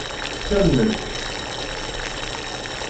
Ttamnen-k.